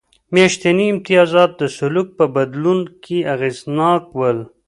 میاشتني امتیازات د سلوک په بدلون کې اغېزناک و